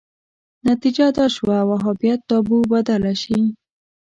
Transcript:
نتیجه دا شوه وهابیت تابو بدله شي